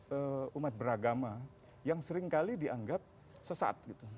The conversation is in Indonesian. pertama perlindungan umat beragama yang seringkali dianggap sesat gitu